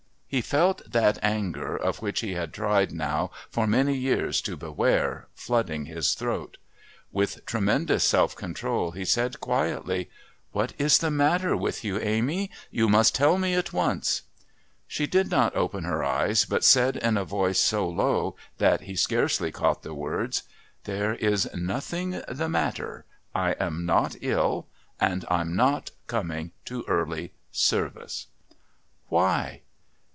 He felt that anger, of which he had tried now for many years to beware, flooding his throat. With tremendous self control he said quietly: "What is the matter with you, Amy? You must tell me at once." She did not open her eyes but said in a voice so low that he scarcely caught the words: "There is nothing the matter. I am not ill, and I'm not coming to Early Service." "Why?"